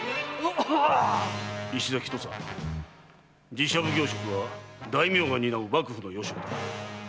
寺社奉行職は大名が担う幕府の要職だ。